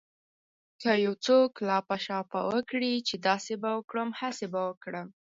که يو څوک لاپه شاپه وکړي چې داسې به وکړم هسې به وکړم.